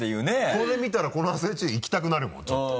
これ見たらこのアスレチック行きたくなるもんちょっと。